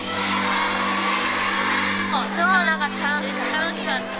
楽しかった。